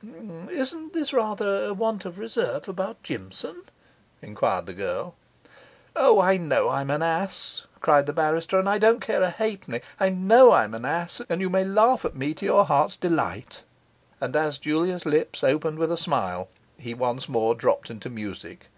'Isn't this rather a want of reserve about Jimson?' enquired the girl. 'O, I know I am an ass,' cried the barrister, 'and I don't care a halfpenny! I know I'm an ass, and you may laugh at me to your heart's delight.' And as Julia's lips opened with a smile, he once more dropped into music.